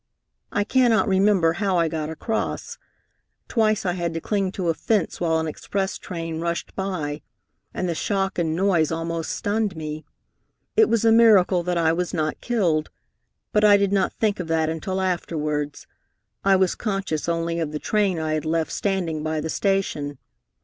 "I cannot remember how I got across. Twice I had to cling to a fence while an express train rushed by, and the shock and noise almost stunned me. It was a miracle that I was not killed, but I did not think of that until afterwards. I was conscious only of the train I had left standing by the station.